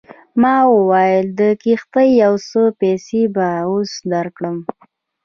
ما وویل د کښتۍ یو څه پیسې به اوس درکړم.